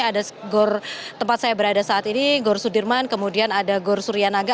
ada gor tempat saya berada saat ini gor sudirman kemudian ada gor surianaga